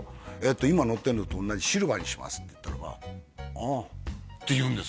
今乗ってるのと同じシルバーにしますって言ったらばああって言うんです